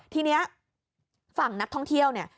ทีนี้ฝั่งนักท่องเที่ยวเนี่ย